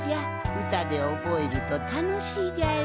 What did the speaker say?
うたでおぼえるとたのしいじゃろ？